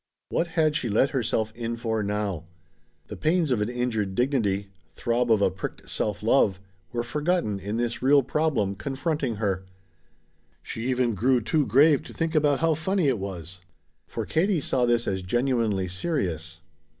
What had she let herself in for now! The pains of an injured dignity throb of a pricked self love were forgotten in this real problem, confronting her. She even grew too grave to think about how funny it was. For Katie saw this as genuinely serious.